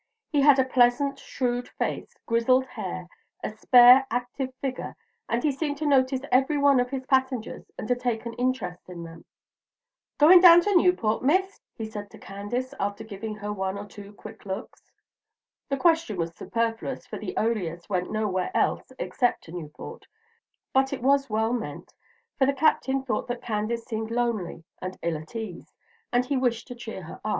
He had a pleasant, shrewd face, grizzled hair, a spare, active figure; and he seemed to notice every one of his passengers and to take an interest in them. "Going down to Newport, Miss?" he said to Candace, after giving her one or two quick looks. The question was superfluous, for the "Eolus" went nowhere else except to Newport; but it was well meant, for the Captain thought that Candace seemed lonely and ill at ease, and he wished to cheer her.